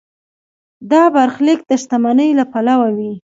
دا برخلیک د شتمنۍ له پلوه وي.